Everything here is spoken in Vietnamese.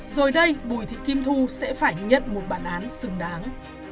rồi đây bùi thị kim thu sẽ phải nhận một bản án xứng đáng